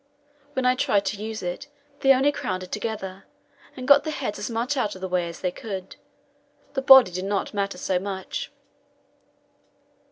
When I tried to use it, they only crowded together, and got their heads as much out of the way as they could; the body did not matter so much.